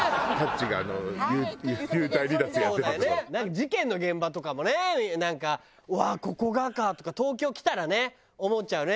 事件の現場とかもねなんかうわーここがかとか東京来たらね思っちゃうね。